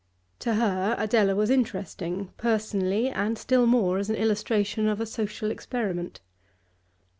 To her Adela was interesting, personally and still more as an illustration of a social experiment.